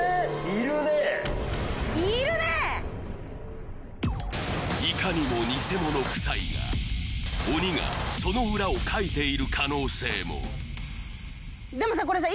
いかにもニセモノくさいが鬼がその裏をかいている可能性もでもさ